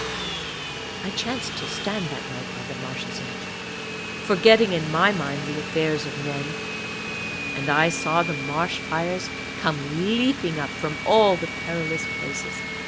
I chanced to stand that night by the marsh's edge, forgetting in my mind the affairs of men; and I saw the marsh fires come leaping up from all the perilous places.